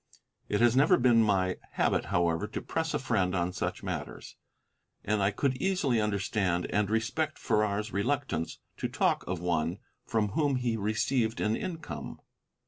It has never been my habit, however, to press a friend on such matters, and I could easily understand and respect Farrar's reluctance to talk of one from whom he received an income.